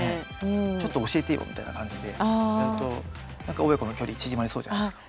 ちょっと教えてよみたいな感じでやると親子の距離縮まりそうじゃないですか。